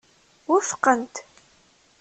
Wufqent.